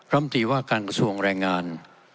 รับมัตติว่าการกระทรวงแรงงาน